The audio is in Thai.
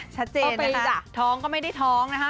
ชัดเจนนะคะท้องก็ไม่ได้ท้องนะคะ